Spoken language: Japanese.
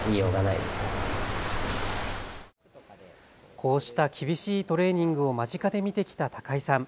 こうした厳しいトレーニングを間近で見てきた高井さん。